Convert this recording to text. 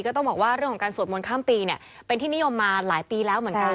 ก็ต้องบอกว่าเรื่องของการสวดมนต์ข้ามปีเนี่ยเป็นที่นิยมมาหลายปีแล้วเหมือนกัน